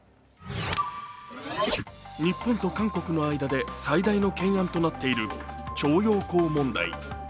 日本と韓国の間で最大の懸案となっている徴用工問題。